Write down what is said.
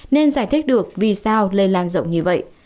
nên giải thích được vì sao lây lan rộng như vậy